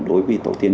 đối với tổ tiên